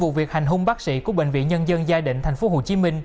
vấn vụ việc hành hung bác sĩ của bệnh viện nhân dân gia định tp hcm